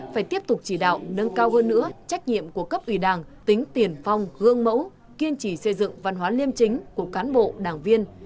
phải tiếp tục chỉ đạo nâng cao hơn nữa trách nhiệm của cấp ủy đảng tính tiền phong gương mẫu kiên trì xây dựng văn hóa liêm chính của cán bộ đảng viên